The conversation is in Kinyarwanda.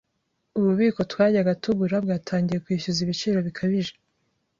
Ububiko twajyaga tugura bwatangiye kwishyuza ibiciro bikabije,